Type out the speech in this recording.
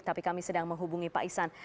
tapi kami sedang menghubungi pak isan